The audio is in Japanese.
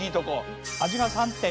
味が３点。